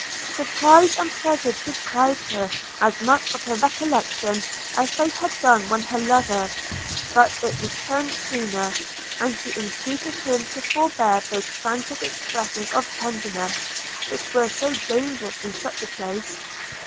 Surprise and pleasure deprived her as much of her recollection as they had done her lover; but it returned sooner, and she entreated him to forbear those frantic expressions of tenderness which were so dangerous in such a place.